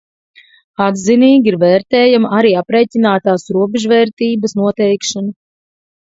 Atzinīgi ir vērtējama arī aprēķinātās robežvērtības noteikšana.